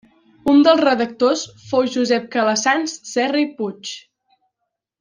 Un dels redactors fou Josep Calassanç Serra i Puig.